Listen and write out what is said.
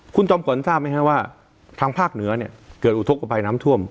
คุณจอมขวัญทราบไหมครับว่าทางภาคเหนือเนี่ยเกิดอุทธกภัยน้ำท่วม